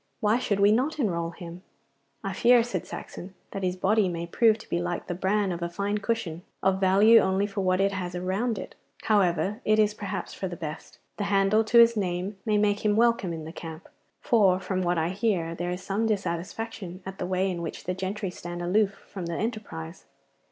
Why should we not enrol him?' 'I fear,' said Saxon, 'that his body may prove to be like the bran of a fine cushion, of value only for what it has around it. However, it is perhaps for the best. The handle to his name may make him welcome in the camp, for from what I hear there is some dissatisfaction at the way in which the gentry stand aloof from the enterprise.